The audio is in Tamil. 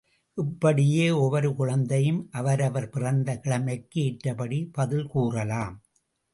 இப்படியே ஒவ்வொரு குழந்தையும் அவரவர் பிறந்த கிழமைக்கு ஏற்றபடி பதில் கூறலாம்.